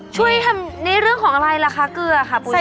ช่วยทำในเรื่องของอะไรล่ะคะเกลือค่ะปุ๋ย